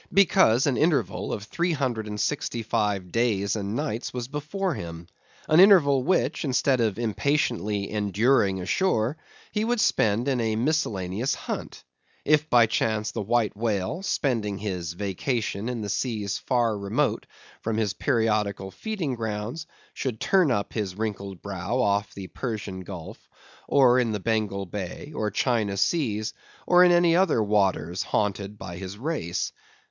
Because, an interval of three hundred and sixty five days and nights was before him; an interval which, instead of impatiently enduring ashore, he would spend in a miscellaneous hunt; if by chance the White Whale, spending his vacation in seas far remote from his periodical feeding grounds, should turn up his wrinkled brow off the Persian Gulf, or in the Bengal Bay, or China Seas, or in any other waters haunted by his race.